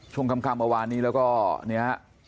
ชงคำคำอาวานนี้แล้วก็เนี่ย